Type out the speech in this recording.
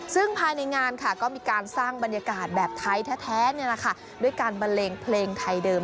ซึ่งภายในงานค่ะก็มีการสร้างบรรยากาศแบบไทยแท้ด้วยการบันเลงเพลงไทยเดิม